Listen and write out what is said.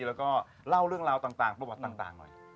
แล้วก็เล่าเรื่องราวต่างประวัติต่างหน่อย